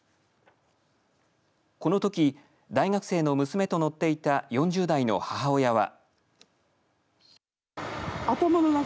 このとき大学生の娘と乗っていた４０代の母親は。